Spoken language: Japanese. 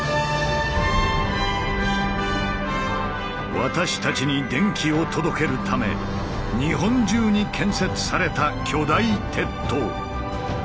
私たちに電気を届けるため日本中に建設された巨大鉄塔。